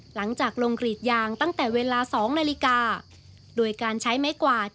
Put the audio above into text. หลังจากลงกรีดยางตั้งแต่เวลา๒นาฬิกาโดยการใช้ไม้กวาด